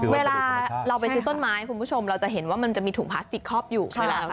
เวลาเราไปซื้อต้นไม้คุณผู้ชมเราจะเห็นว่ามันจะมีถุงพลาสติกครอบอยู่ใช่ไหม